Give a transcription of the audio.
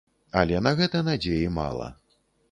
Але на гэта надзеі мала.